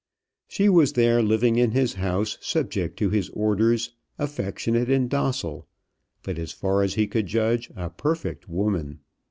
She was there living in his house, subject to his orders, affectionate and docile; but, as far as he could judge, a perfect woman.